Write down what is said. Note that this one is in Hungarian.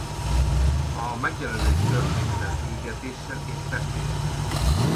A megjelölés történhetett égetéssel és festéssel.